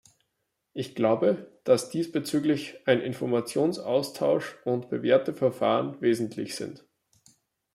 Ich glaube, dass diesbezüglich ein Informationsaustausch und bewährte Verfahren wesentlich sind.